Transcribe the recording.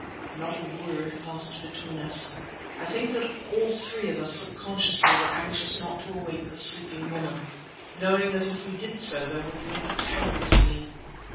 Not a word passed between us. I think that all three of us subconsciously were anxious not to awake the sleeping woman, knowing that if we did so there would be a terrible scene.